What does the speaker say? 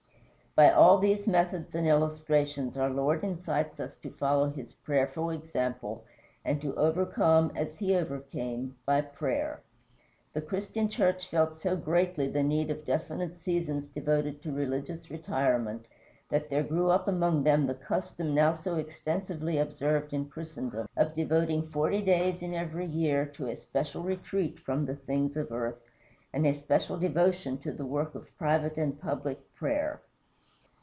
By all these methods and illustrations our Lord incites us to follow his prayerful example, and to overcome, as he overcame, by prayer. The Christian Church felt so greatly the need of definite seasons devoted to religious retirement that there grew up among them the custom now so extensively observed in Christendom, of devoting forty days in every year to a special retreat from the things of earth, and a special devotion to the work of private and public prayer.